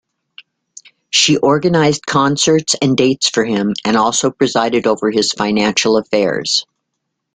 She organized concerts and dates for him, and also presided over his financial affairs.